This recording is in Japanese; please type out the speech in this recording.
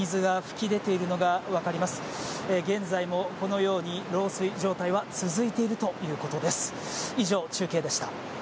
現在もこのように漏水状態は続いているということです。